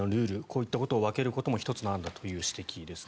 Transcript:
こういったことを分けることも１つなんだという指摘です。